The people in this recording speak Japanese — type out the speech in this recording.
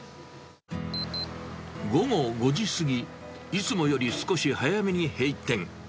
午後５時過ぎ、いつもより少し早めに閉店。